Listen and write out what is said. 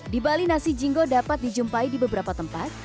di bali nasi jingo dapat dijumpai di beberapa tempat